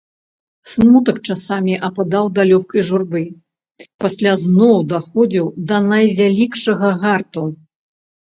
Смутак часамі ападаў да лёгкай журбы, пасля зноў даходзіў да найвялікшага гарту.